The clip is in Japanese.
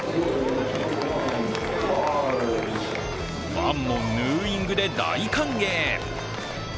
ファンもヌーイングで大歓迎！